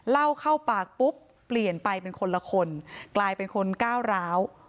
เล่าเข้าปากปุ๊บเปลี่ยนไปเป็นคนละคนกลายเป็นคนก้าวร้าว